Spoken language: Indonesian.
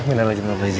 meplah akraim peng vic